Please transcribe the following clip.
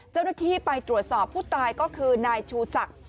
เจ้าหน้าที่ไปตรวจสอบผู้ตายก็คือนายชูศักดิ์